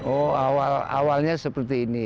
oh awalnya seperti ini